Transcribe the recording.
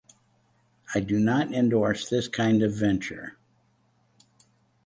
I do not endorse this kind of venture.